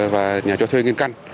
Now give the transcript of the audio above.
và nhà trọ thuê nghiên căn